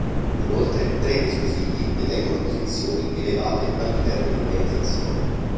Inoltre, tre dei suoi figli detengono posizioni elevate all'interno dell'organizzazione.